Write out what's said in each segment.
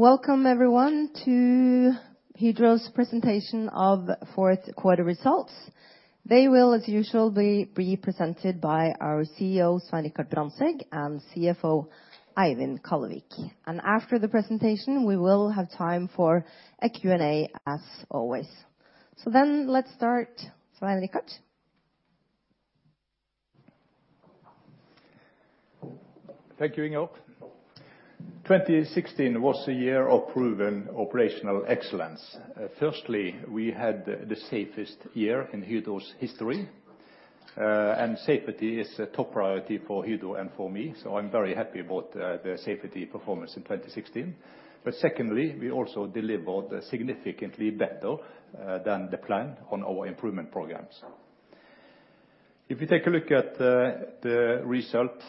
Welcome everyone to Hydro's presentation of fourth quarter results. They will, as usual be presented by our CEO, Svein Brandtzæg, and CFO, Eivind Kallevik. After the presentation we will have time for a Q&A, as always. Let's start, Brandtzæg? Thank you, Inger. 2016 was a year of proven operational excellence. Firstly, we had the safest year in Hydro's history, and safety is a top priority for Hydro and for me, so I'm very happy about the safety performance in 2016. Secondly, we also delivered significantly better than the plan on our improvement programs. If you take a look at the result,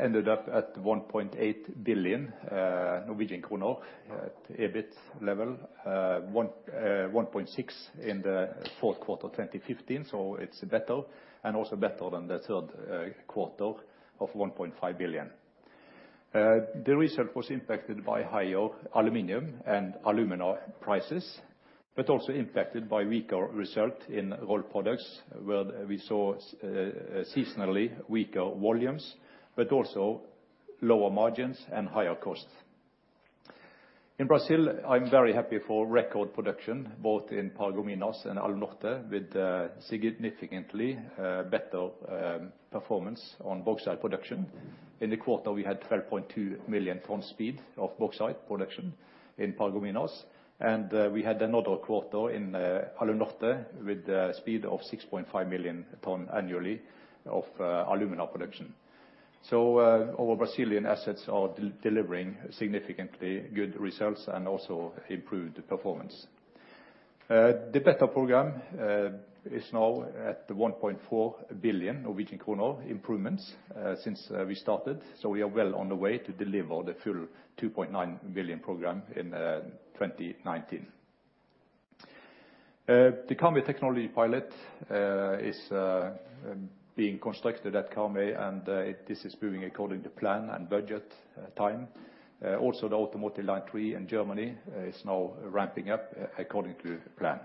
ended up at 1.8 billion Norwegian kroner EBIT level, 1.6 billion in the fourth quarter 2015, so it's better, and also better than the third quarter of 1.5 billion. The result was impacted by higher aluminum and alumina prices, but also impacted by weaker result in Rolled Products, where we saw seasonally weaker volumes, but also lower margins and higher costs. In Brazil, I'm very happy for record production, both in Paragominas and Alunorte with significantly better performance on bauxite production. In the quarter, we had 12.2 million tons speed of bauxite production in Paragominas, and we had another quarter in Alunorte with speed of 6.5 million tons annually of alumina production. Our Brazilian assets are delivering significantly good results and also improved performance. The BETTER program is now at 1.4 billion Norwegian kroner improvements since we started, so we are well on the way to deliver the full 2.9 billion program in 2019. The Karmøy technology pilot is being constructed at Karmøy, and this is moving according to plan and budget on time. Also the Automotive Line 3 in Germany is now ramping up according to plan.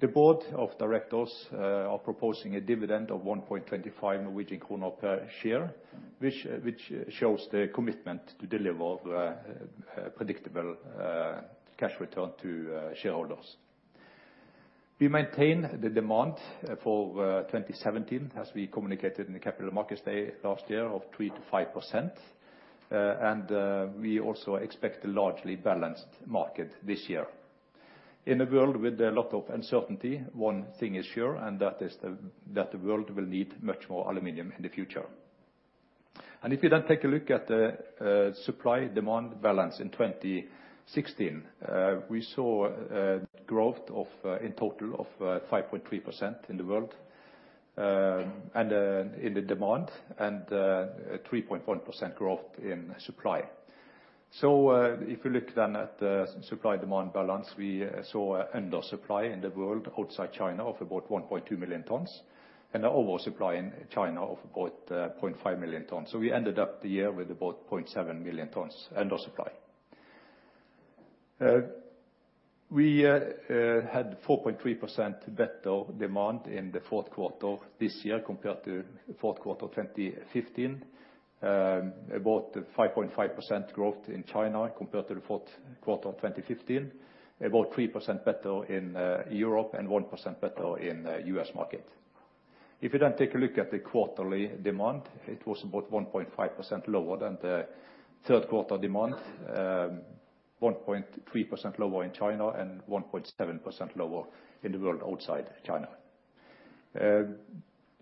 The board of directors are proposing a dividend of 1.25 Norwegian kroner per share, which shows the commitment to deliver predictable cash return to shareholders. We maintain the demand for 2017 as we communicated in the capital markets day last year of 3%-5%, and we also expect a largely balanced market this year. In a world with a lot of uncertainty, one thing is sure, and that is that the world will need much more aluminum in the future. If you then take a look at supply/demand balance in 2016, we saw a growth of, in total, of 5.3% in the world and in the demand, and 3.1% growth in supply. If you look at supply/demand balance, we saw an undersupply in the world outside China of about 1.2 million tons, and an oversupply in China of about 0.5 million tons. We ended up the year with about 0.7 million tons undersupply. We had 4.3% better demand in the fourth quarter this year compared to fourth quarter 2015. About 5.5% growth in China compared to the fourth quarter of 2015. About 3% better in Europe, and 1% better in U.S. market. If you then take a look at the quarterly demand, it was about 1.5% lower than the third quarter demand, 1.3% lower in China, and 1.7% lower in the world outside China.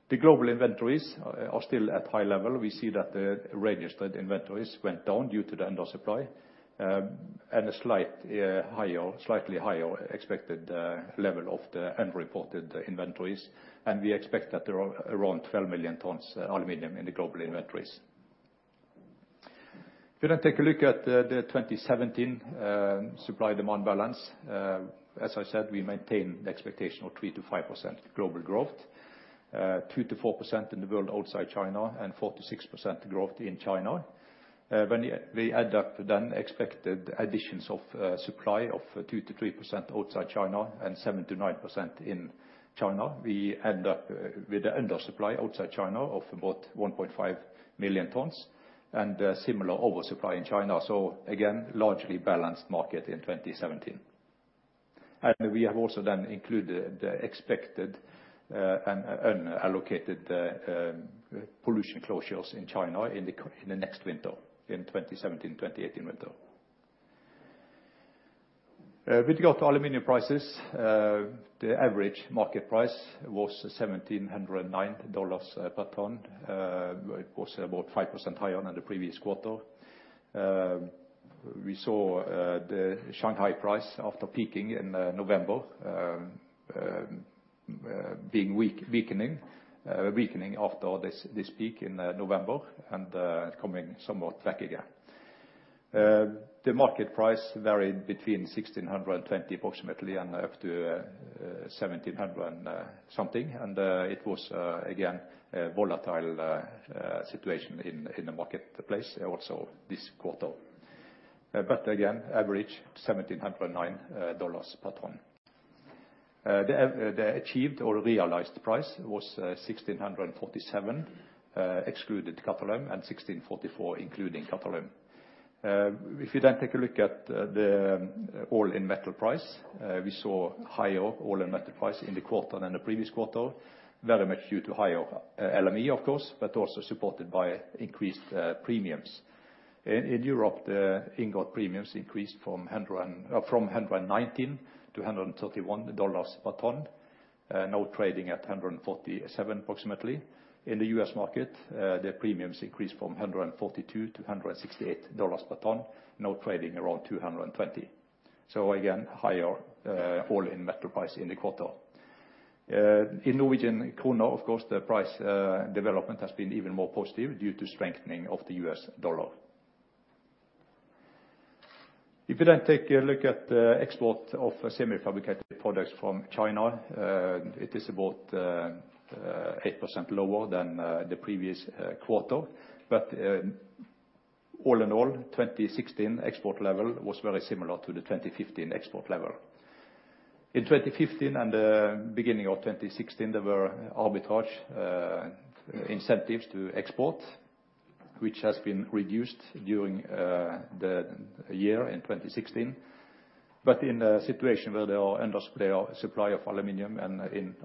The global inventories are still at high level. We see that the registered inventories went down due to the undersupply and a slightly higher expected level of the unreported inventories. We expect that there are around 12 million tons aluminum in the global inventories. If you then take a look at the 2017 supply/demand balance, as I said, we maintain the expectation of 3%-5% global growth, 2%-4% in the world outside China, and 4%-6% growth in China. When we add up the expected additions of supply of 2%-3% outside China and 7%-9% in China, we end up with an undersupply outside China of about 1.5 million tons, and similar oversupply in China. Again, largely balanced market in 2017. We have also then included the expected additional pollution closures in China in the next winter, in 2017/2018 winter. With regard to aluminium prices, the average market price was $1,709 per ton. It was about 5% higher than the previous quarter. We saw the Shanghai price, after peaking in November, weakening after this peak in November, and coming somewhat back again. The market price varied between approximately $1,620 and up to $1,700 and something. It was again a volatile situation in the marketplace also this quarter. But again, average $1,709 per ton. The achieved or realized price was $1,647 excluded Qatalum, and $1,644 including Qatalum. If you then take a look at the all-in metal price, we saw higher all-in metal price in the quarter and the previous quarter, very much due to higher LME, of course, but also supported by increased premiums. In Europe, the ingot premiums increased from $119-$131 per ton. Now trading at approximately $147. In the US market, their premiums increased from $142-$168 per ton, now trading around $220. Again, higher all-in metal price in the quarter. In Norwegian krone, of course, the price development has been even more positive due to strengthening of the U.S. dollar. If you take a look at the export of semi-fabricated products from China, it is about 8% lower than the previous quarter. All in all, 2016 export level was very similar to the 2015 export level. In 2015 and the beginning of 2016, there were arbitrage incentives to export, which has been reduced during the year in 2016. In a situation where there is excess primary supply of aluminum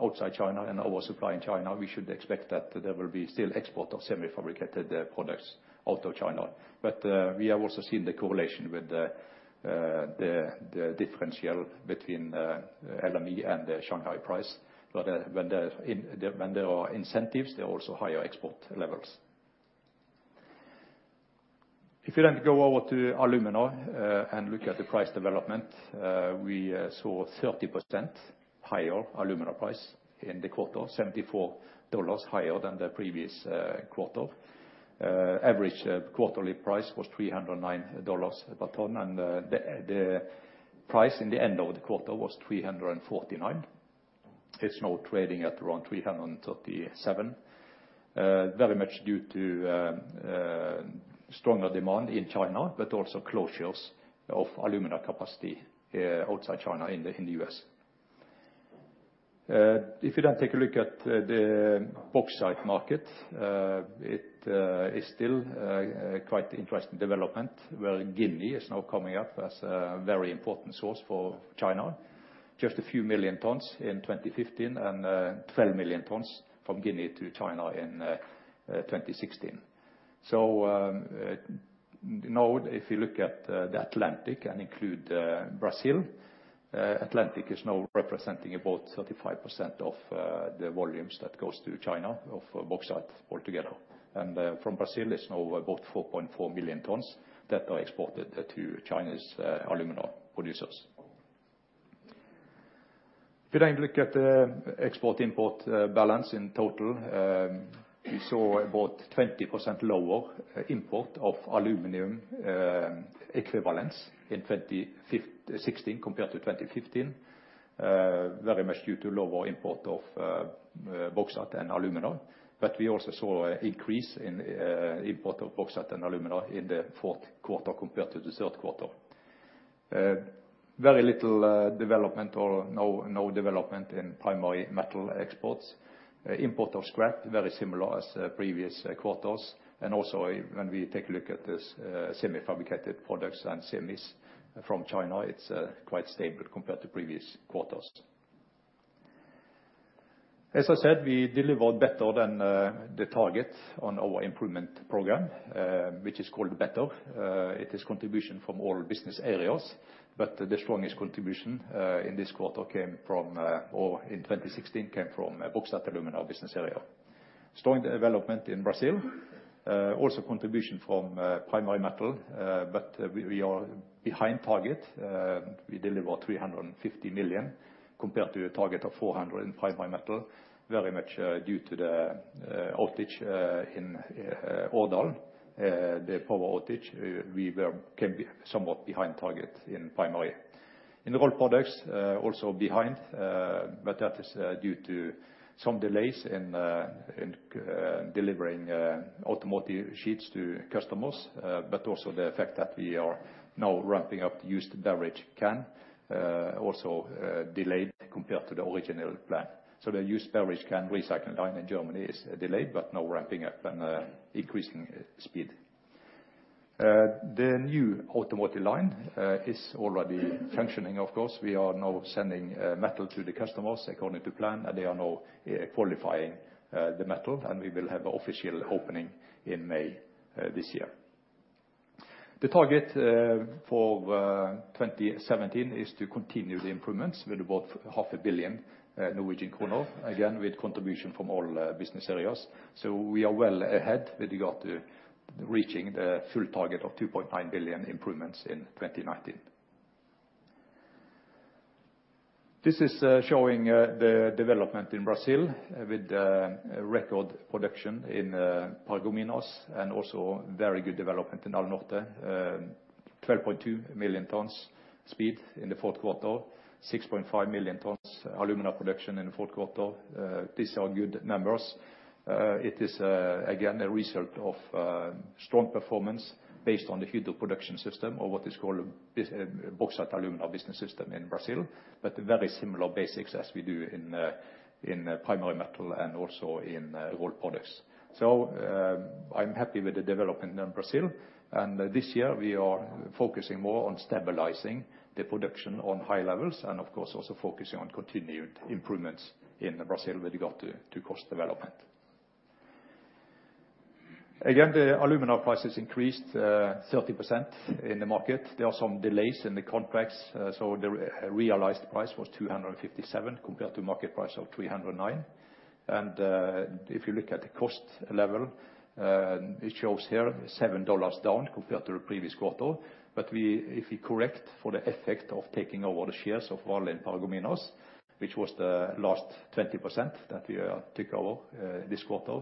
outside China and also supply in China, we should expect that there will be still export of semi-fabricated products out of China. We have also seen the correlation with the differential between LME and the Shanghai price. When there are incentives, there are also higher export levels. If you then go over to alumina, and look at the price development, we saw 30% higher alumina price in the quarter, $74 higher than the previous quarter. Average quarterly price was $309 per ton, and the price in the end of the quarter was $349. It's now trading at around $337. Very much due to stronger demand in China, but also closures of alumina capacity outside China in the U.S. If you then take a look at the bauxite market, it is still a quite interesting development, where Guinea is now coming up as a very important source for China. Just a few million tons in 2015 and 12 million tons from Guinea to China in 2016. Now if you look at the Atlantic and include Brazil, Atlantic is now representing about 35% of the volumes that goes to China of bauxite altogether. From Brazil, it's now about 4.4 million tons that are exported to China's alumina producers. If you then look at the export-import balance in total, we saw about 20% lower import of aluminum equivalents in 2016 compared to 2015. Very much due to lower import of bauxite and alumina. We also saw an increase in import of bauxite and alumina in the fourth quarter compared to the third quarter. Very little development or no development in primary metal exports. Import of scrap, very similar as previous quarters. Also, when we take a look at this, semi-fabricated products and semis from China, it's quite stable compared to previous quarters. As I said, we delivered better than the target on our improvement program, which is called BETTER. It is contribution from all business areas, but the strongest contribution in 2016 came from Bauxite & Alumina business area. Strong development in Brazil, also contribution from Primary Metal, but we are behind target. We deliver 350 million compared to a target of 400 million in Primary Metal, very much due to the outage in Odda. The power outage. We came somewhat behind target in Primary. In Rolled Products, also behind, but that is due to some delays in delivering automotive sheets to customers, but also the fact that we are now ramping up the used beverage can, also delayed compared to the original plan. The used beverage can recycling line in Germany is delayed, but now ramping up and increasing speed. The new automotive line is already functioning, of course. We are now sending metal to the customers according to plan, and they are now qualifying the metal, and we will have official opening in May this year. The target for 2017 is to continue the improvements with about half a billion Norwegian krone, again, with contribution from all business areas. We are well ahead with regard to reaching the full target of 2.9 billion improvements in 2019. This is showing the development in Brazil with record production in Paragominas and also very good development in Alunorte. 12.2 million tons speed in the fourth quarter, 6.5 million tons alumina production in the fourth quarter. These are good numbers. It is again a result of strong performance based on the Hydro Business System or what is called Bauxite & Alumina business system in Brazil, but very similar basics as we do in Primary Metal and also in Rolled Products. I'm happy with the development in Brazil. This year we are focusing more on stabilizing the production on high levels and of course also focusing on continued improvements in Brazil with regard to cost development. Again, the alumina prices increased 30% in the market. There are some delays in the contracts, so the realized price was $257 compared to market price of $309. If you look at the cost level, it shows here $7 down compared to the previous quarter. We, if we correct for the effect of taking over the shares of Vale in Paragominas, which was the last 20% that we took over this quarter,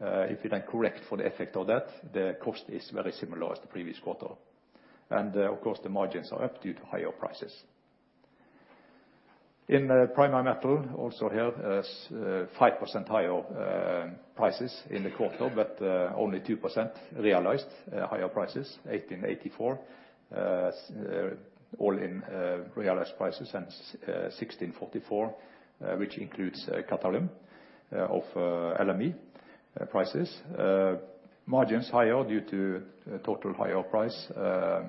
if we then correct for the effect of that, the cost is very similar as the previous quarter. Of course, the margins are up due to higher prices. In Primary Metal, also here, 5% higher prices in the quarter, but only 2% realized higher prices, $1,884. All in realized prices $1,644, which includes Qatalum of LME prices. Margins higher due to total higher price of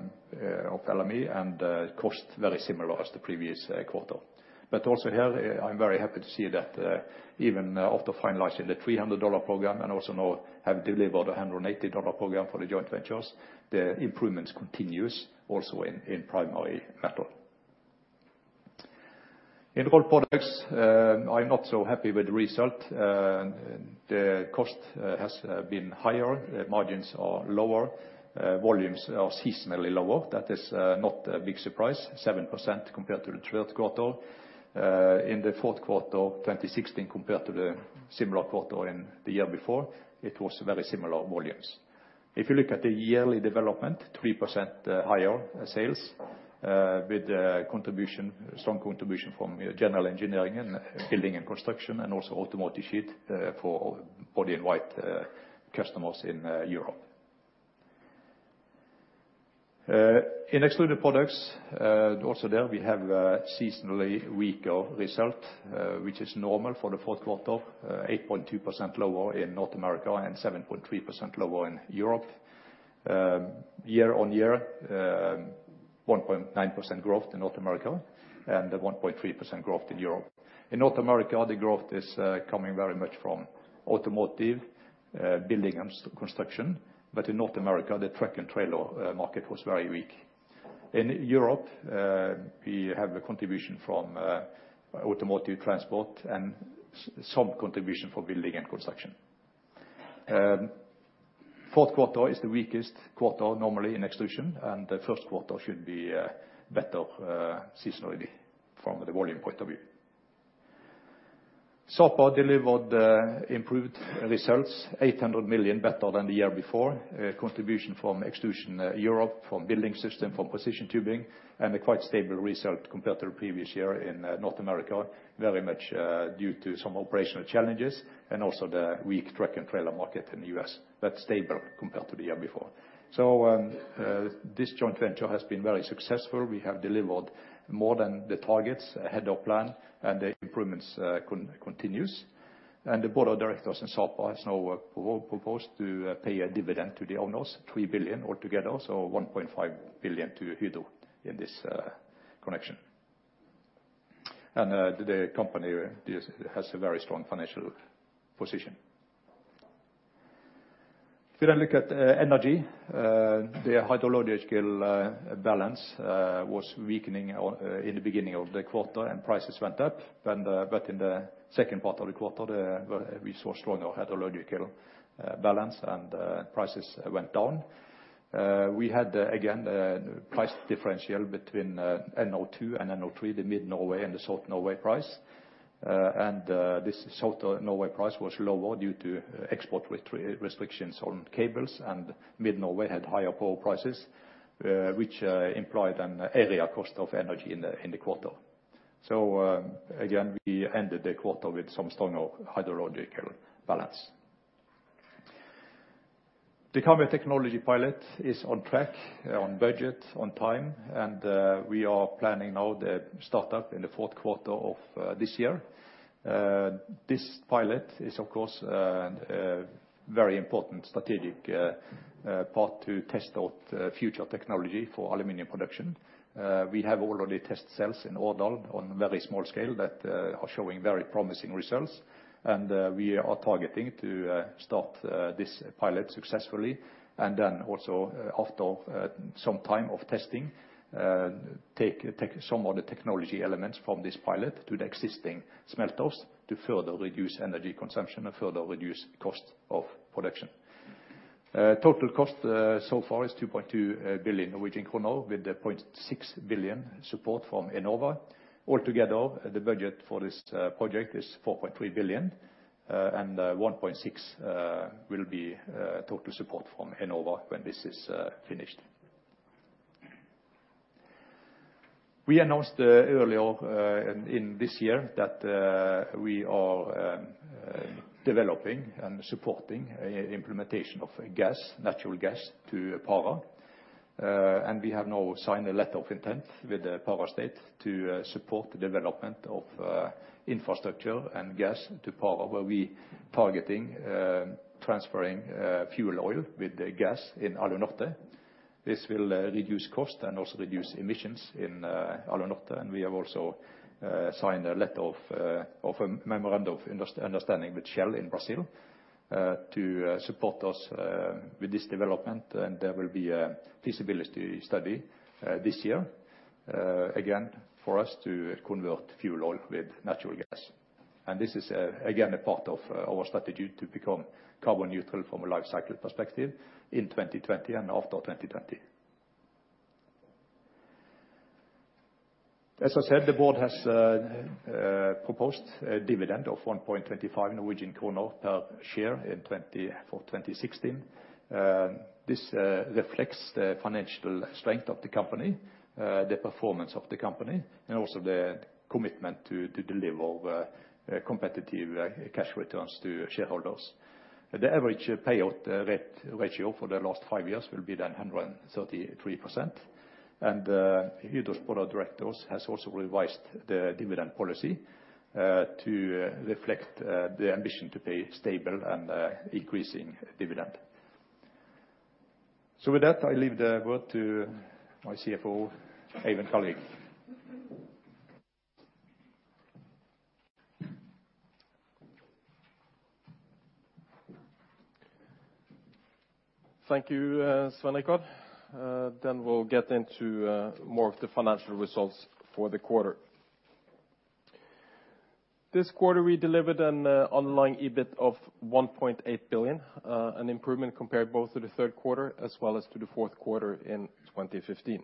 LME and cost very similar as the previous quarter. Also here, I'm very happy to see that even after finalizing the $300 program and also now have delivered a $180 program for the joint ventures, the improvements continues also in Primary Metal. In Rolled Products, I'm not so happy with the result. The cost has been higher, margins are lower, volumes are seasonally lower. That is not a big surprise, 7% compared to the third quarter. In the fourth quarter of 2016 compared to the similar quarter in the year before, it was very similar volumes. If you look at the yearly development, 3% higher sales with strong contribution from general engineering and building and construction, and also automotive sheet for body-in-white customers in Europe. In Extruded Products, also there we have a seasonally weaker result, which is normal for the fourth quarter, 8.2% lower in North America and 7.3% lower in Europe. Year-on-year, 1.9% growth in North America and 1.3% growth in Europe. In North America, the growth is coming very much from automotive, building and construction. In North America, the truck and trailer market was very weak. In Europe, we have a contribution from automotive transport and some contribution for building and construction. Fourth quarter is the weakest quarter normally in extrusion, and the first quarter should be better seasonally from the volume point of view. Sapa delivered improved results, 800 million better than the year before. Contribution from extrusion Europe, from building system, from precision tubing, and a quite stable result compared to the previous year in North America, very much due to some operational challenges and also the weak truck and trailer market in the U.S. That's stable compared to the year before. This joint venture has been very successful. We have delivered more than the targets ahead of plan, and the improvements continues. The board of directors in Sapa has now proposed to pay a dividend to the owners, 3 billion altogether, so 1.5 billion to Hydro in this connection. The company has a very strong financial position. If you then look at energy, the hydrological balance was weakening in the beginning of the quarter and prices went up. But in the second part of the quarter, we saw stronger hydrological balance and prices went down. We had again price differential between NO2 and NO3, the Mid Norway and the South Norway price. This South Norway price was lower due to export restrictions on cables, and Mid Norway had higher power prices, which implied an area cost of energy in the quarter. Again, we ended the quarter with some stronger hydrological balance. The Karmøy technology pilot is on track, on budget, on time, and we are planning now the startup in the fourth quarter of this year. This pilot is of course a very important strategic part to test out future technology for aluminum production. We have already test cells in Årdal on very small scale that are showing very promising results. We are targeting to start this pilot successfully and then also after some time of testing, take some of the technology elements from this pilot to the existing smelters to further reduce energy consumption and further reduce cost of production. Total cost so far is 2.2 billion Norwegian kroner, with 0.6 billion support from Enova. Altogether, the budget for this project is 4.3 billion, and 1.6 billion will be total support from Enova when this is finished. We announced earlier in this year that we are developing and supporting a implementation of a gas, natural gas to power. We have now signed a letter of intent with the power state to support the development of infrastructure and gas to power where we targeting transferring fuel oil with the gas in Alunorte. This will reduce cost and also reduce emissions in Alunorte. We have also signed a letter of a memorandum of understanding with Shell in Brazil to support us with this development. There will be a feasibility study this year again for us to convert fuel oil with natural gas. This is again a part of our strategy to become carbon neutral from a life cycle perspective in 2020 and after 2020. As I said, the board has proposed a dividend of 1.25 Norwegian kroner per share in 2016. This reflects the financial strength of the company, the performance of the company, and also the commitment to deliver competitive cash returns to shareholders. The average payout ratio for the last five years will be then 133%. Hydro's board of directors has also revised the dividend policy to reflect the ambition to pay stable and increasing dividend. With that, I leave the word to my CFO, Eivind Kallevik. Thank you, Svein Richard. We'll get into more of the financial results for the quarter. This quarter, we delivered an underlying EBIT of 1.8 billion, an improvement compared both to the third quarter as well as to the fourth quarter in 2015.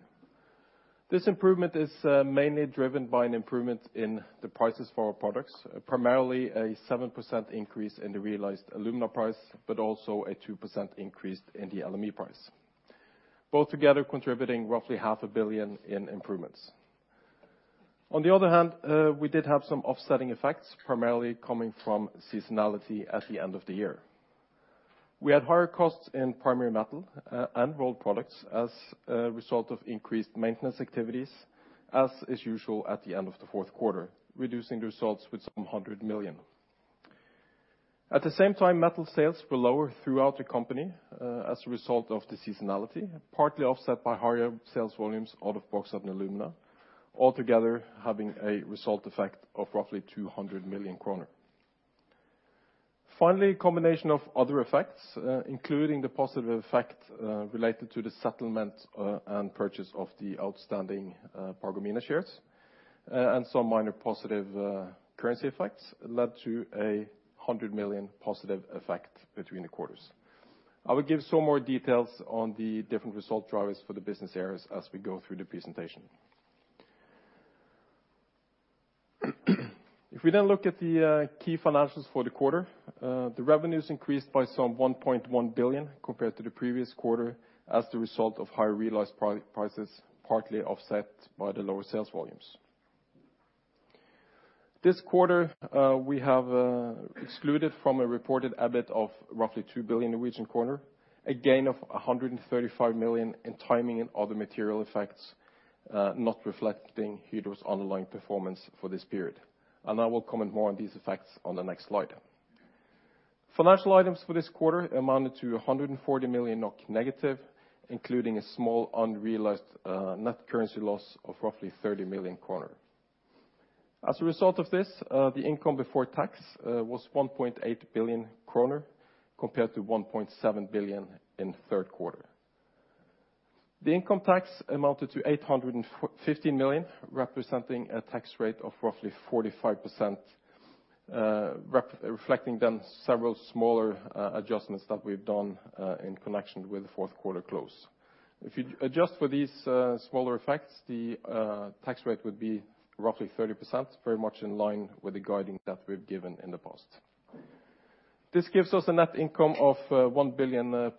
This improvement is mainly driven by an improvement in the prices for our products, primarily a 7% increase in the realized alumina price, but also a 2% increase in the LME price. Both together contributing roughly NOK half a billion in improvements. On the other hand, we did have some offsetting effects, primarily coming from seasonality at the end of the year. We had higher costs in Primary Metal and Rolled Products as a result of increased maintenance activities, as is usual at the end of the fourth quarter, reducing the results with some 100 million. At the same time, metal sales were lower throughout the company, as a result of the seasonality, partly offset by higher sales volumes out of Bauxite & Alumina, altogether having a result effect of roughly 200 million kroner. Finally, a combination of other effects, including the positive effect related to the settlement and purchase of the outstanding Paragominas shares, and some minor positive currency effects led to a 100 million positive effect between the quarters. I will give some more details on the different result drivers for the business areas as we go through the presentation. If we then look at the key financials for the quarter, the revenues increased by some 1.1 billion compared to the previous quarter as the result of higher realized prices, partly offset by the lower sales volumes. This quarter, we have excluded from a reported EBIT of roughly 2 billion, a gain of 135 million in timing and other material effects, not reflecting Hydro's underlying performance for this period. I will comment more on these effects on the next slide. Financial items for this quarter amounted to -140 million NOK including a small unrealized net currency loss of roughly 30 million kroner. As a result of this, the income before tax was 1.8 billion kroner, compared to 1.7 billion in the third quarter. The income tax amounted to 845 million, representing a tax rate of roughly 45%, reflecting several smaller adjustments that we've done in connection with the fourth quarter close. If you adjust for these smaller effects, the tax rate would be roughly 30%, very much in line with the guidance that we've given in the past. This gives us a net income of +1 billion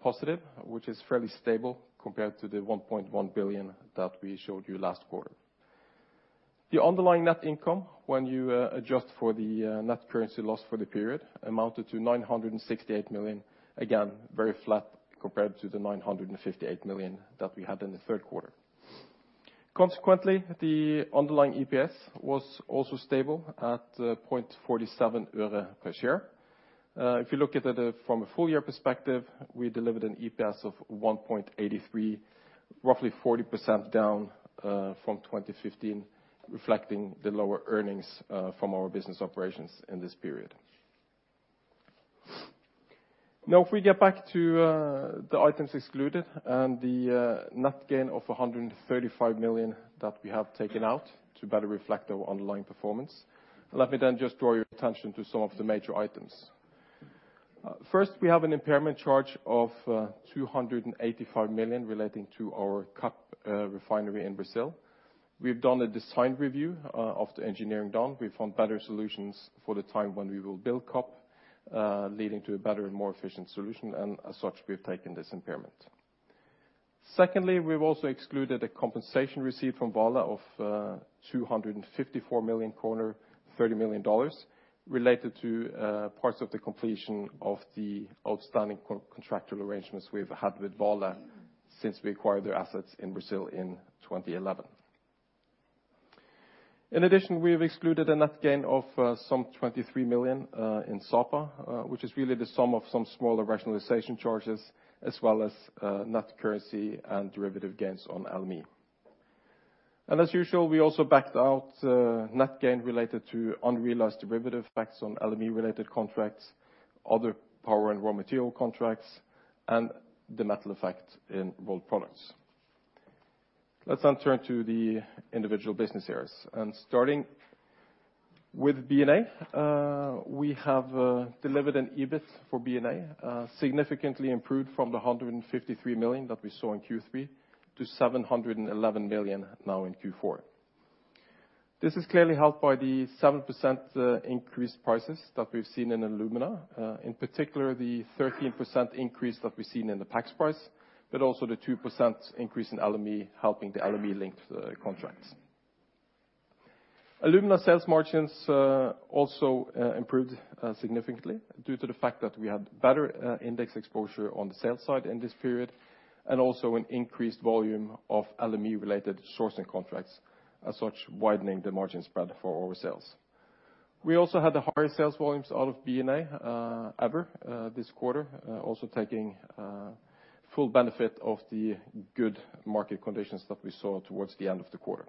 which is fairly stable compared to the 1.1 billion that we showed you last quarter. The underlying net income, when you adjust for the net currency loss for the period, amounted to 968 million, again, very flat compared to the 958 million that we had in the third quarter. Consequently, the underlying EPS was also stable at NOK 0.47 per share. If you look at it from a full year perspective, we delivered an EPS of 1.83, roughly 40% down from 2015, reflecting the lower earnings from our business operations in this period. Now, if we get back to the items excluded and the net gain of 135 million that we have taken out to better reflect our underlying performance, let me then just draw your attention to some of the major items. First, we have an impairment charge of 285 million relating to our CAP refinery in Brazil. We've done a design review of the engineering done. We found better solutions for the time when we will build CAP, leading to a better and more efficient solution, and as such, we have taken this impairment. Secondly, we've also excluded the compensation received from Vale of 254 million kroner, $30 million, related to parts of the completion of the outstanding contractual arrangements we've had with Vale since we acquired their assets in Brazil in 2011. In addition, we have excluded a net gain of some 23 million in Sapa, which is really the sum of some smaller rationalization charges as well as net currency and derivative gains on LME. As usual, we also backed out net gain related to unrealized derivative effects on LME-related contracts, other power and raw material contracts, and the metal effect in rolled products. Let's now turn to the individual business areas. Starting with B&A, we have delivered an EBIT for B&A significantly improved from the 153 million that we saw in Q3 to 711 million now in Q4. This is clearly helped by the 7% increased prices that we've seen in alumina, in particular, the 13% increase that we've seen in the PAX price, but also the 2% increase in LME helping the LME-linked contracts. Alumina sales margins also improved significantly due to the fact that we had better index exposure on the sales side in this period and also an increased volume of LME-related sourcing contracts, as such, widening the margin spread for our sales. We also had the highest sales volumes out of B&A, ever, this quarter, also taking full benefit of the good market conditions that we saw towards the end of the quarter.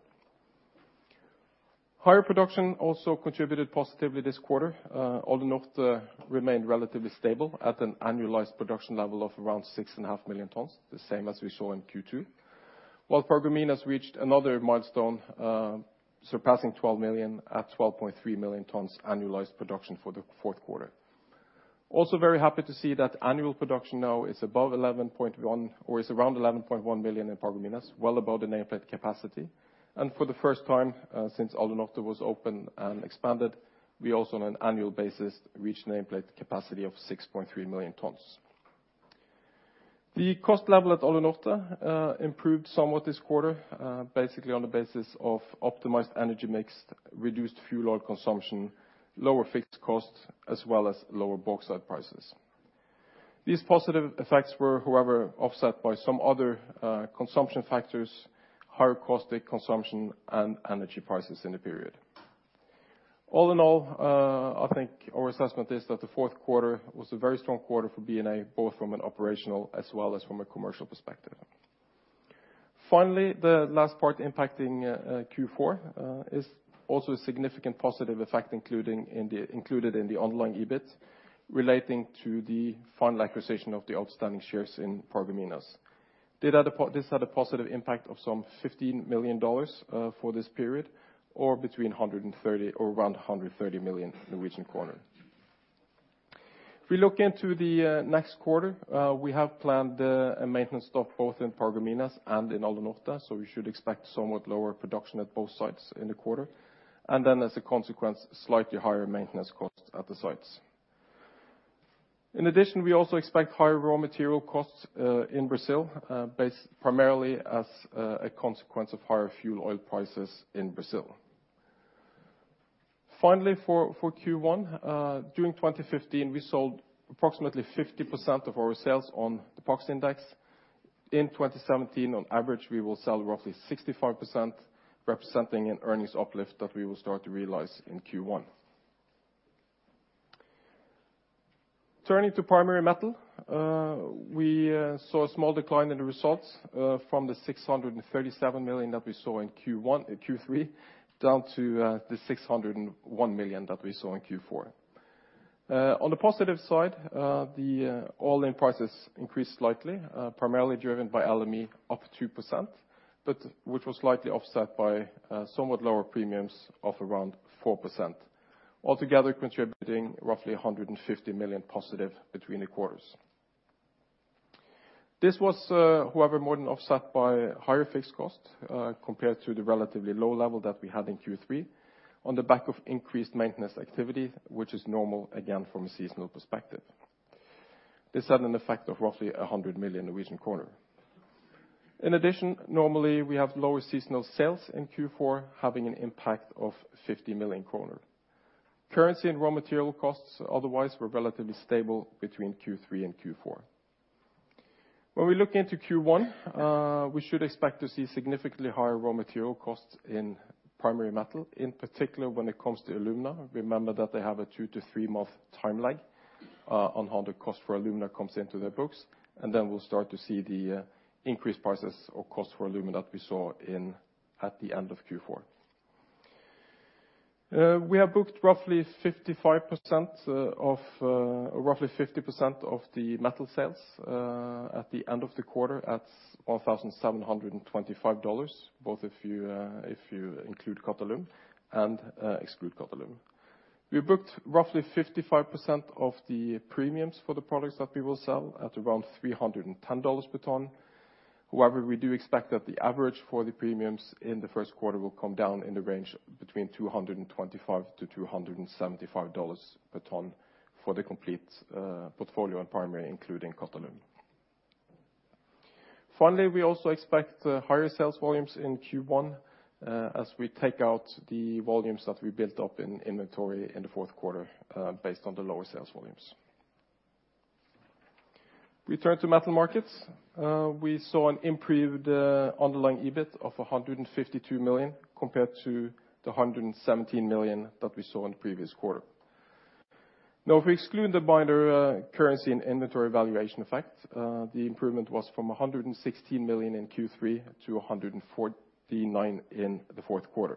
Higher production also contributed positively this quarter. Alunorte remained relatively stable at an annualized production level of around 6.5 million tons, the same as we saw in Q2. While Paragominas reached another milestone, surpassing 12 million at 12.3 million tons annualized production for the fourth quarter. Also, very happy to see that annual production now is above 11.1, or is around 11.1 million in Paragominas, well above the nameplate capacity. For the first time, since Alunorte was open and expanded, we also on an annual basis reached nameplate capacity of 6.3 million tons. The cost level at Alunorte improved somewhat this quarter, basically on the basis of optimized energy mix, reduced fuel oil consumption, lower fixed costs, as well as lower bauxite prices. These positive effects were, however, offset by some other consumption factors, higher caustic consumption, and energy prices in the period. All in all, I think our assessment is that the fourth quarter was a very strong quarter for B&A, both from an operational as well as from a commercial perspective. Finally, the last part impacting Q4 is also a significant positive effect included in the ongoing EBIT relating to the final acquisition of the outstanding shares in Paragominas. This had a positive impact of some $15 million for this period, or around 130 million Norwegian kroner. If we look into the next quarter, we have planned a maintenance stop both in Paragominas and in Alunorte, so we should expect somewhat lower production at both sites in the quarter. Then as a consequence, slightly higher maintenance costs at the sites. In addition, we also expect higher raw material costs in Brazil, based primarily as a consequence of higher fuel oil prices in Brazil. Finally, for Q1, during 2015, we sold approximately 50% of our sales on the PAX index. In 2017, on average, we will sell roughly 65%, representing an earnings uplift that we will start to realize in Q1. Turning to Primary Metal, we saw a small decline in the results from the 637 million that we saw in Q3, down to the 601 million that we saw in Q4. On the positive side, the all-in prices increased slightly, primarily driven by LME up 2%, but which was slightly offset by somewhat lower premiums of around 4%, altogether contributing roughly 150 million positive between the quarters. This was, however, more than offset by higher fixed costs compared to the relatively low level that we had in Q3 on the back of increased maintenance activity, which is normal again from a seasonal perspective. This had an effect of roughly 100 million Norwegian kroner. In addition, normally, we have lower seasonal sales in Q4 having an impact of 50 million kroner. Currency and raw material costs, otherwise, were relatively stable between Q3 and Q4. When we look into Q1, we should expect to see significantly higher raw material costs in Primary Metal, in particular when it comes to alumina. Remember that they have a two to three month timeline on how the cost for alumina comes into their books, and then we'll start to see the increased prices or cost for alumina that we saw in at the end of Q4. We have booked roughly 55% of roughly 50% of the metal sales at the end of the quarter at $1,725, both if you include Qatalum and exclude Qatalum. We booked roughly 55% of the premiums for the products that we will sell at around $310 per ton. However, we do expect that the average for the premiums in the first quarter will come down in the range between $225-$275 per ton for the complete portfolio in Primary, including Qatalum. Finally, we also expect higher sales volumes in Q1 as we take out the volumes that we built up in inventory in the fourth quarter based on the lower sales volumes. We turn to metal markets. We saw an improved underlying EBIT of 152 million compared to the 117 million that we saw in the previous quarter. Now, if we exclude the minor currency and inventory valuation effect, the improvement was from 116 million in Q3 to 149 million in the fourth quarter.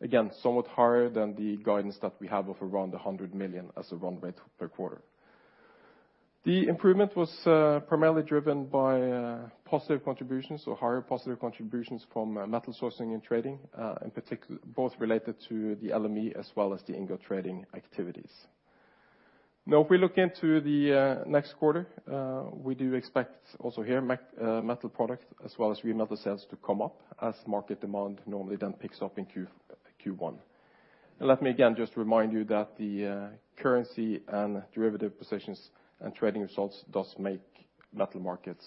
Again, somewhat higher than the guidance that we have of around 100 million as a run rate per quarter. The improvement was primarily driven by positive contributions or higher positive contributions from metal sourcing and trading, in particular, both related to the LME as well as the ingot trading activities. Now if we look into the next quarter, we do expect also here Metal Markets as well as remelt sales to come up as market demand normally then picks up in Q1. Let me again just remind you that the currency and derivative positions and trading results does make Metal Markets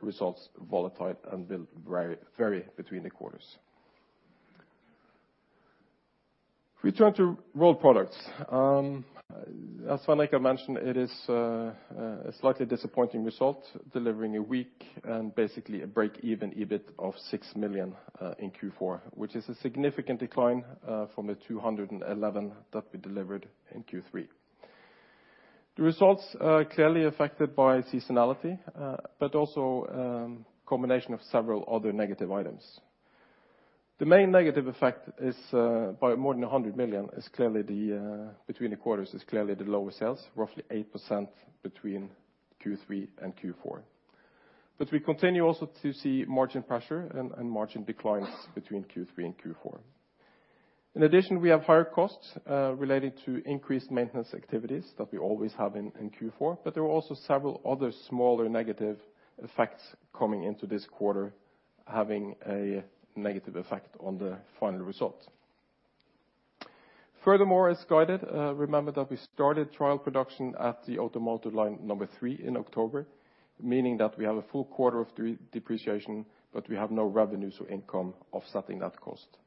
results volatile and will vary between the quarters. If we turn to Rolled Products. As Svein Richard mentioned, it is a slightly disappointing result, delivering a weak and basically a break-even EBIT of 6 million in Q4, which is a significant decline from the 211 that we delivered in Q3. The results are clearly affected by seasonality, but also a combination of several other negative items. The main negative effect, by more than 100 million, is clearly the lower sales between the quarters, roughly 8% between Q3 and Q4. We continue also to see margin pressure and margin declines between Q3 and Q4. In addition, we have higher costs related to increased maintenance activities that we always have in Q4, but there are also several other smaller negative effects coming into this quarter, having a negative effect on the final result. Furthermore, as guided, remember that we started trial production at the Automotive Line 3 in October, meaning that we have a full quarter of depreciation, but we have no revenues or income offsetting that cost.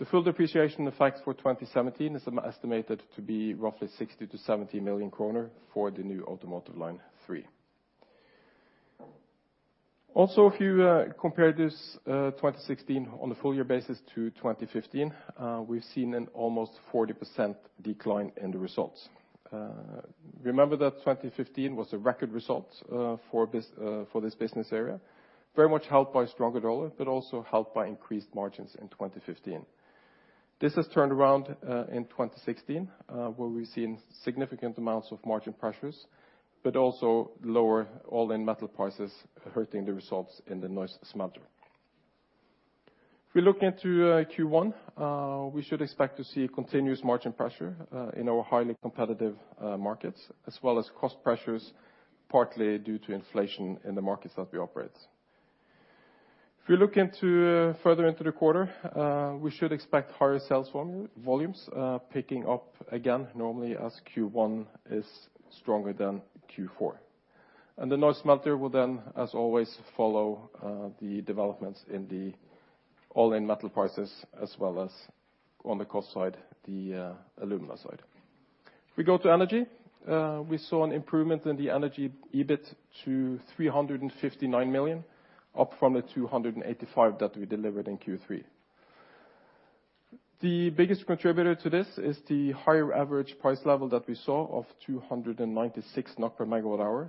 The full depreciation effects for 2017 is estimated to be roughly 60 million-70 million kroner for the new Automotive Line 3. Also, if you compare this 2016 on a full year basis to 2015, we've seen an almost 40% decline in the results. Remember that 2015 was a record result for this business area, very much helped by a stronger dollar, but also helped by increased margins in 2015. This has turned around in 2016, where we've seen significant amounts of margin pressures, but also lower all-in metal prices hurting the results in the Neuss smelter. If we look into Q1, we should expect to see continuous margin pressure in our highly competitive markets, as well as cost pressures, partly due to inflation in the markets that we operate. If we look into further into the quarter, we should expect higher sales volumes, picking up again normally as Q1 is stronger than Q4. The Neuss smelter will then, as always, follow the developments in the LME metal prices, as well as on the cost side, the alumina side. If we go to energy, we saw an improvement in the energy EBIT to 359 million, up from the 285 million that we delivered in Q3. The biggest contributor to this is the higher average price level that we saw of 296 NOK/MWh,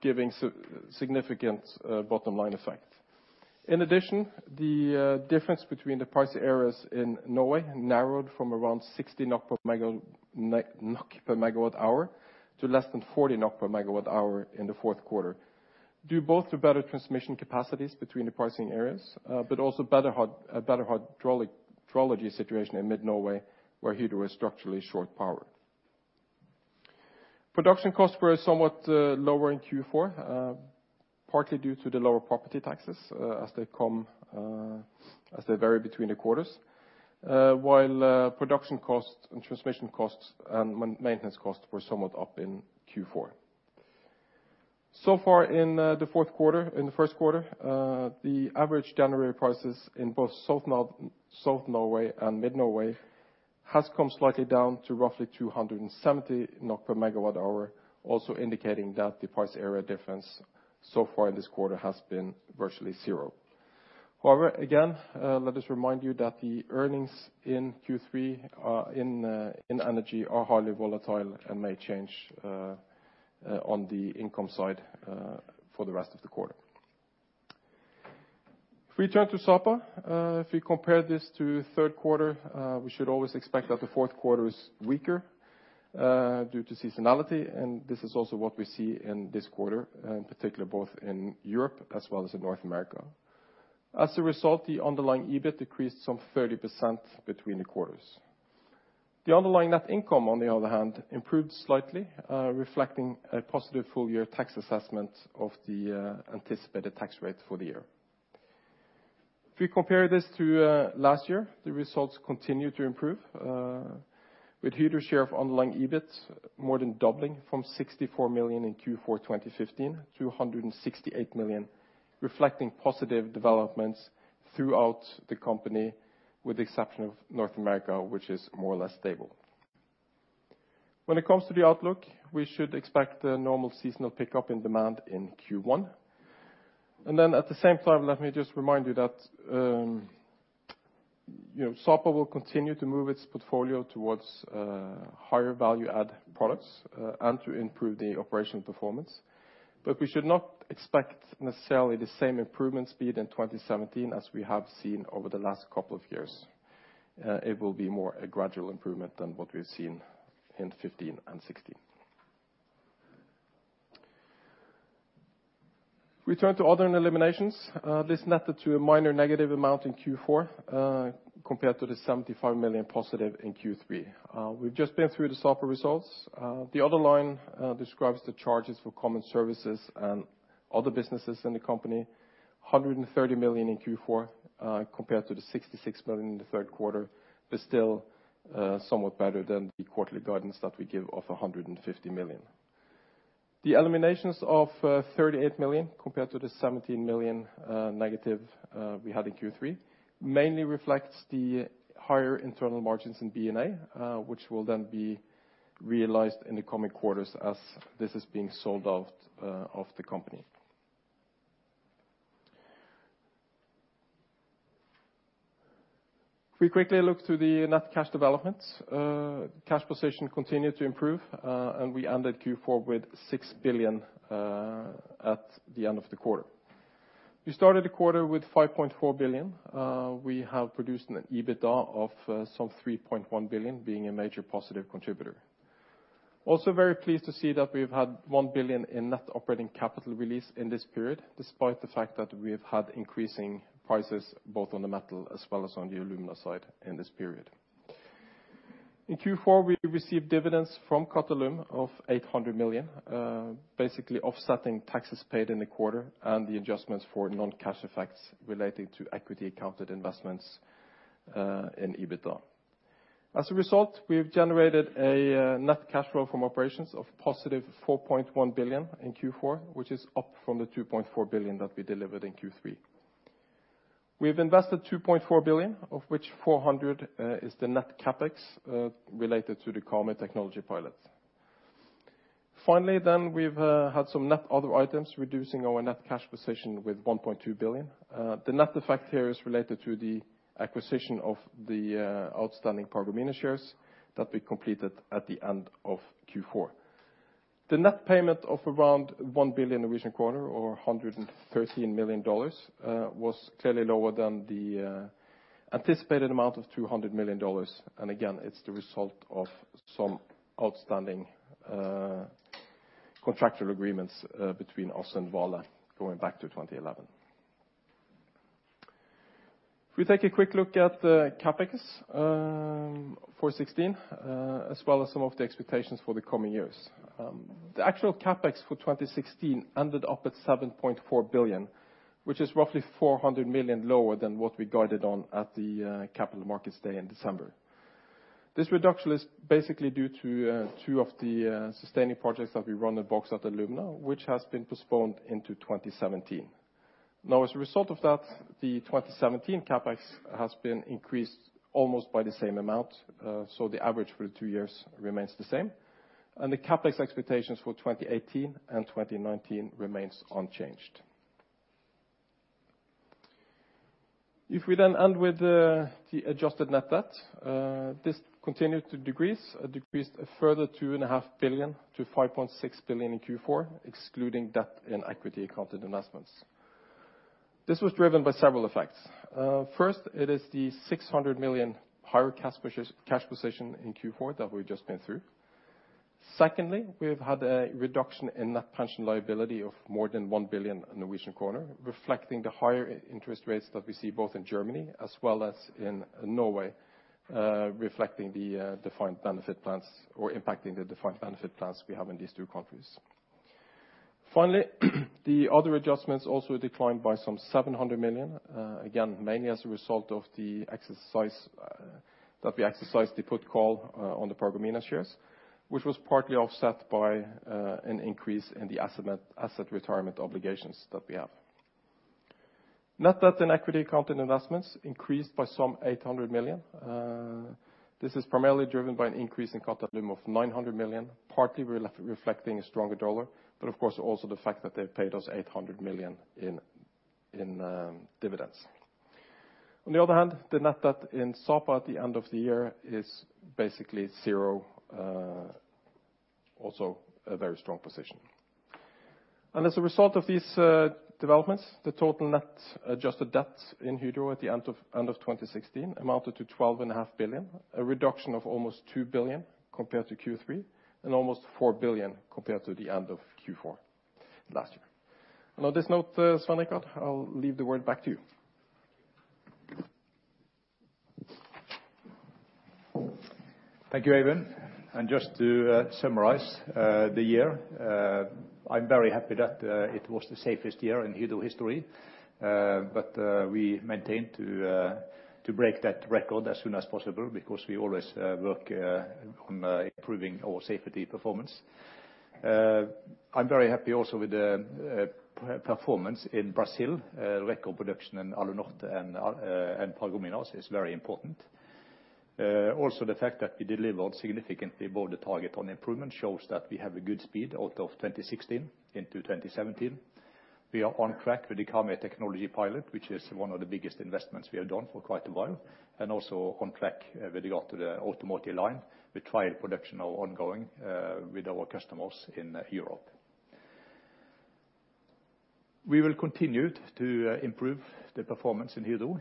giving significant bottom line effect. In addition, the difference between the price areas in Norway narrowed from around 60 NOK/MWh to less than 40 NOK/MWh in the fourth quarter, due both to better transmission capacities between the pricing areas, but also better hydrology situation in mid Norway, where Hydro is structurally short power. Production costs were somewhat lower in Q4, partly due to the lower property taxes, as they vary between the quarters. While production costs and transmission costs and maintenance costs were somewhat up in Q4. Far in the fourth quarter, in the first quarter, the average January prices in both south Norway and mid Norway has come slightly down to roughly 270 NOK/MWh also indicating that the price area difference so far in this quarter has been virtually zero. However, again, let us remind you that the earnings in Q3 in energy are highly volatile and may change on the income side for the rest of the quarter. If we turn to Sapa, if we compare this to third quarter, we should always expect that the fourth quarter is weaker due to seasonality, and this is also what we see in this quarter, in particular both in Europe as well as in North America. As a result, the underlying EBIT decreased some 30% between the quarters. The underlying net income, on the other hand, improved slightly, reflecting a positive full year tax assessment of the anticipated tax rate for the year. If we compare this to last year, the results continue to improve, with Hydro's share of underlying EBIT more than doubling from 64 million in Q4 2015 to 168 million, reflecting positive developments throughout the company, with the exception of North America, which is more or less stable. When it comes to the outlook, we should expect a normal seasonal pickup in demand in Q1. At the same time, let me just remind you that, you know, Sapa will continue to move its portfolio towards higher value add products, and to improve the operational performance. We should not expect necessarily the same improvement speed in 2017 as we have seen over the last couple of years. It will be more a gradual improvement than what we've seen in 2015 and 2016. We turn to other eliminations. This netted to a minor negative amount in Q4, compared to the +75 million in Q3. We've just been through the Sapa results. The other line describes the charges for common services and other businesses in the company, 130 million in Q4, compared to the 66 million in the third quarter, but still, somewhat better than the quarterly guidance that we give of a 150 million. The eliminations of 38 million compared to the -17 million we had in Q3 mainly reflects the higher internal margins in B&A, which will then be realized in the coming quarters as this is being sold out of the company. If we quickly look to the net cash developments, cash position continued to improve, and we ended Q4 with 6 billion at the end of the quarter. We started the quarter with 5.4 billion. We have produced an EBITDA of some 3.1 billion being a major positive contributor. Also, very pleased to see that we've had 1 billion in net operating capital release in this period, despite the fact that we have had increasing prices both on the metal as well as on the alumina side in this period. In Q4, we received dividends from Qatalum of 800 million, basically offsetting taxes paid in the quarter and the adjustments for non-cash effects relating to equity accounted investments in EBITDA. As a result, we've generated net cash flow from operations of positive 4.1 billion in Q4, which is up from the 2.4 billion that we delivered in Q3. We've invested 2.4 billion, of which 400 million is the net CapEx related to the Karmøy technology pilot. Finally, we've had some net other items reducing our net cash position with 1.2 billion. The net effect here is related to the acquisition of the outstanding Paragominas shares that we completed at the end of Q4. The net payment of around 1 billion Norwegian kroner, or $113 million, was clearly lower than the anticipated amount of $200 million. Again, it's the result of some outstanding contractual agreements between us and Vale going back to 2011. If we take a quick look at the CapEx for 2016, as well as some of the expectations for the coming years. The actual CapEx for 2016 ended up at 7.4 billion, which is roughly 400 million lower than what we guided on at the capital markets day in December. This reduction is basically due to two of the sustaining projects that we run at Bauxite & Alumina, which has been postponed into 2017. Now, as a result of that, the 2017 CapEx has been increased almost by the same amount. The average for the two years remains the same, and the CapEx expectations for 2018 and 2019 remains unchanged. If we then end with the adjusted net debt, this decreased a further 2.5 billion-5.6 billion in Q4, excluding debt and equity accounted investments. This was driven by several effects. First, it is the 600 million higher cash position in Q4 that we've just been through. Secondly, we've had a reduction in net pension liability of more than 1 billion Norwegian kroner, reflecting the higher interest rates that we see both in Germany as well as in Norway, reflecting the defined benefit plans or impacting the defined benefit plans we have in these two countries. Finally, the other adjustments also declined by 700 million, again, mainly as a result of the exercise that we exercised the put call on the Paragominas shares, which was partly offset by an increase in the asset and net asset retirement obligations that we have. Net debt and equity accounted investments increased by 800 million. This is primarily driven by an increase in Qatalum of 900 million, partly reflecting a stronger dollar, but of course also the fact that they've paid us 800 million in dividends. On the other hand, the net debt in Sapa at the end of the year is basically zero, also a very strong position. As a result of these developments, the total net adjusted debt in Hydro at the end of 2016 amounted to 12.5 billion, a reduction of almost 2 billion compared to Q3, and almost 4 billion compared to the end of Q4 last year. On this note, Svein Brandtzæg, I'll leave the word back to you. Thank you, Eivind. Just to summarize the year, I'm very happy that it was the safest year in Hydro history. We aim to break that record as soon as possible because we always work on improving our safety performance. I'm very happy also with the performance in Brazil. Record production in Alunorte and Paragominas is very important. Also the fact that we delivered significantly above the target on improvement shows that we have a good speed out of 2016 into 2017. We are on track with the Karmøy technology pilot, which is one of the biggest investments we have done for quite a while, and also on track with regard to the automotive line. The trial production are ongoing with our customers in Europe. We will continue to improve the performance in Hydro.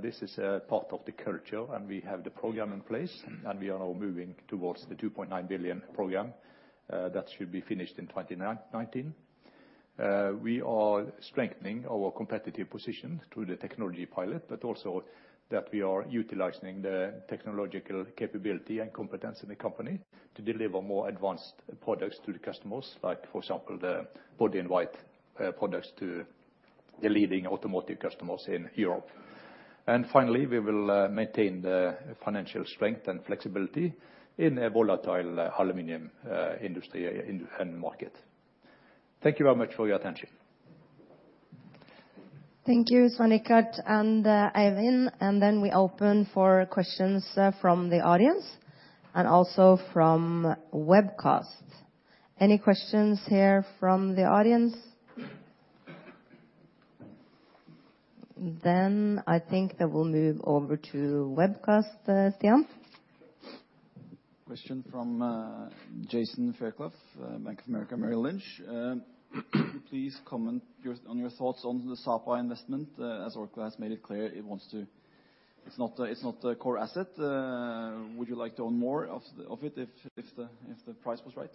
This is a part of the culture, and we have the program in place, and we are now moving towards the 2.9 billion program that should be finished in 2019. We are strengthening our competitive position through the technology pilot, but also that we are utilizing the technological capability and competence in the company to deliver more advanced products to the customers like, for example, the body-in-white products to the leading automotive customers in Europe. Finally, we will maintain the financial strength and flexibility in a volatile aluminum industry in the end market. Thank you very much for your attention. Thank you, Svein Richard and Eivind. We open for questions, from the audience and also from webcast. Any questions here from the audience? I think I will move over to webcast, Stian. Question from Jason Fairclough, Bank of America Merrill Lynch. Please comment on your thoughts on the Sapa investment, as Orkla has made it clear it wants to. It's not a core asset. Would you like to own more of it if the price was right?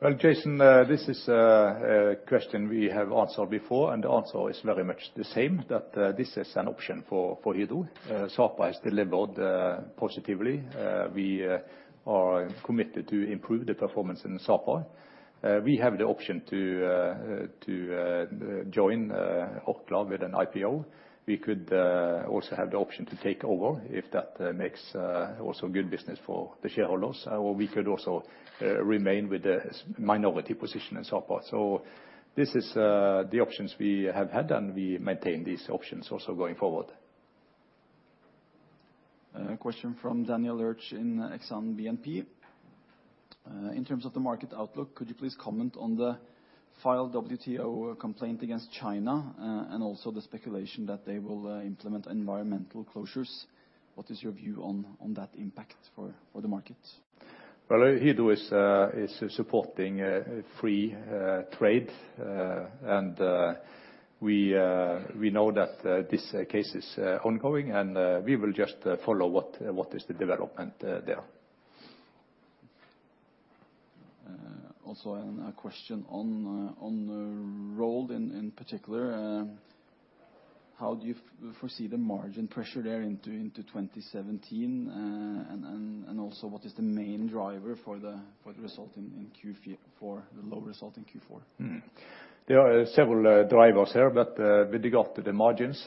Well, Jason, this is a question we have answered before, and the answer is very much the same, that this is an option for Hydro. Sapa has delivered positively. We are committed to improve the performance in Sapa. We have the option to join Orkla with an IPO. We could also have the option to take over if that makes also good business for the shareholders, or we could also remain with the 50% position in Sapa. This is the options we have had, and we maintain these options also going forward. A question from Daniel Lurch in Exane BNP Paribas. In terms of the market outlook, could you please comment on the filed WTO complaint against China, and also the speculation that they will implement environmental closures? What is your view on that impact for the market? Well, Hydro is supporting free trade. We know that this case is ongoing, and we will just follow what is the development there. A question on the Rolled Products in particular. How do you foresee the margin pressure there into 2017? Also, what is the main driver for the result in Q4, the low result in Q4? There are several drivers here. With regard to the margins,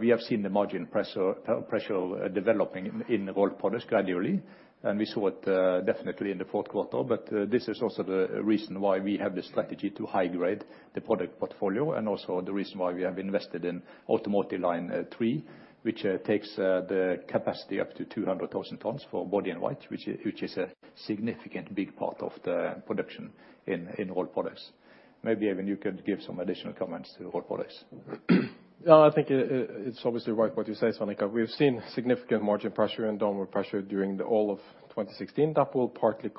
we have seen the margin pressure developing in the Rolled Products gradually, and we saw it definitely in the fourth quarter. This is also the reason why we have the strategy to high grade the product portfolio and also the reason why we have invested in Automotive Line 3, which takes the capacity up to 200,000 tons for body-in-white, which is a significant big part of the production in Rolled Products. Maybe even you could give some additional comments to Rolled Products. Yeah, I think it's obviously right what you say, Svein Richard. We've seen significant margin pressure and downward pressure during all of 2016. That will partly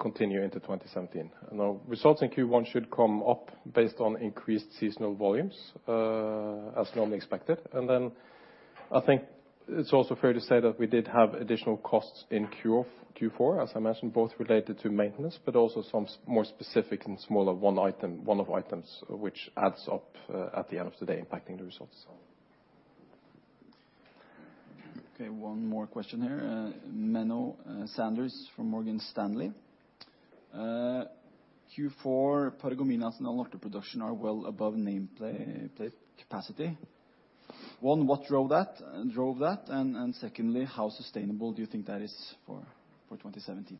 continue into 2017. Now, results in Q1 should come up based on increased seasonal volumes, as normally expected. Then I think it's also fair to say that we did have additional costs in Q4, as I mentioned, both related to maintenance, but also some more specific and smaller one-off items, which adds up, at the end of the day, impacting the results. Okay, one more question here. Menno Sanderse from Morgan Stanley. Q4 Paragominas and Alunorte production are well above nameplate capacity. One, what drove that? And secondly, how sustainable do you think that is for 2017?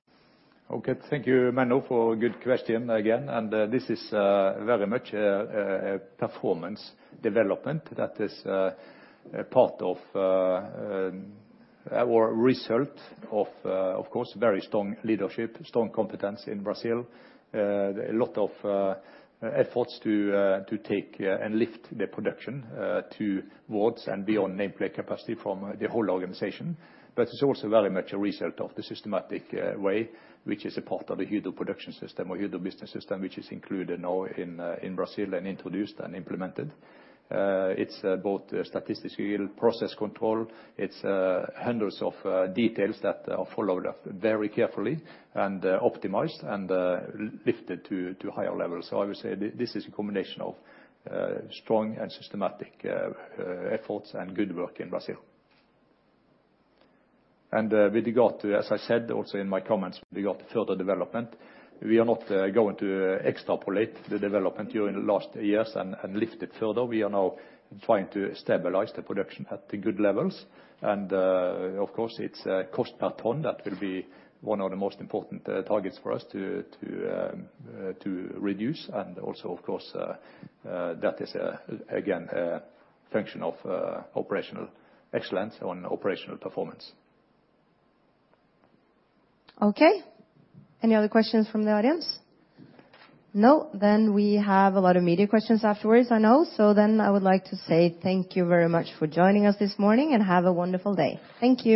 Okay, thank you, Menno, for a good question again. This is very much a performance development that is part of our result of of course very strong leadership, strong competence in Brazil. A lot of efforts to take and lift the production towards and beyond nameplate capacity from the whole organization. It's also very much a result of the systematic way, which is a part of the Hydro Business System or Hydro business system, which is included now in Brazil and introduced and implemented. It's both statistical process control. It's hundreds of details that are followed up very carefully and optimized and lifted to higher levels. I would say this is a combination of strong and systematic efforts and good work in Brazil. With regard to, as I said also in my comments, with regard to further development, we are not going to extrapolate the development during the last years and lift it further. We are now trying to stabilize the production at the good levels. Of course it's cost per ton that will be one of the most important targets for us to reduce. Also, of course, that is again a function of operational excellence on operational performance. Okay. Any other questions from the audience? No? We have a lot of media questions afterwards, I know. I would like to say thank you very much for joining us this morning and have a wonderful day. Thank you.